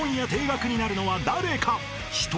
［１人？